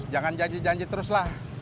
jangan janji janji teruslah